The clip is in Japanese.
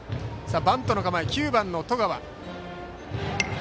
バントの構え、９番の十川。